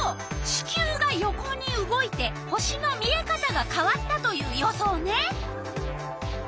地球が横に動いて星の見えかたがかわったという予想ね。